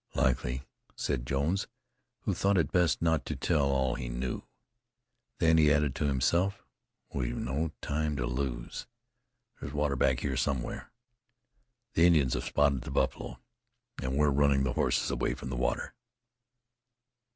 "Likely," said Jones, who thought it best not to tell all he knew. Then he added to himself: "We've no time to lose. There's water back here somewhere. The Indians have spotted the buffalo, and were running the horses away from the water."